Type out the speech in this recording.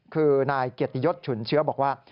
คือนายเกียรติยศฉุนเชื้อบอกว่า